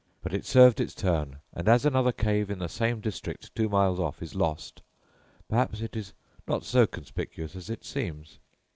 But it served its turn, and as another cave in the same district two miles off is lost, perhaps it is not so conspicious as it seems."